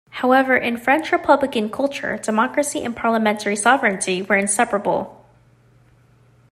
However, in French Republican culture, democracy and parliamentary sovereignty were inseparable.